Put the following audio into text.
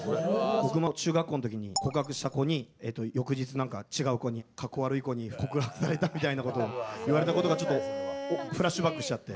僕も中学校の時に告白した子に翌日違う子にカッコ悪い子に告白されたみたいなことを言われたことがちょっとフラッシュバックしちゃって。